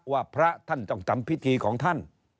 ว่าพระท่านต้องทำพิธีของท่าน